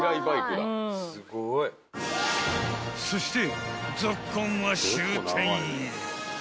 ［そして］